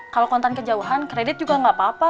kalo kontan kejauhan kredit juga gak apa apa